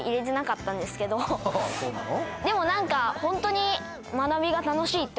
でも何かホントに。